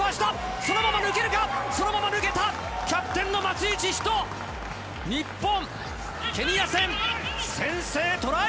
そのまま抜けるか、そのまま抜けた、キャプテンの松井千士の日本、ケニア戦、先制トライ。